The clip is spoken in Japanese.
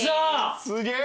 すげえ。